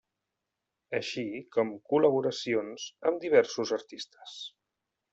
Així com col·laboracions amb diversos artistes.